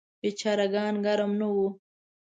بیچاره ګان ګرم نه وو.